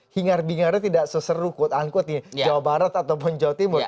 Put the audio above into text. hingar bingarnya tidak seseru quote unquote nih jawa barat ataupun jawa timur